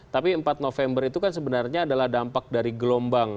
tapi empat november itu kan sebenarnya adalah dampak dari gelombang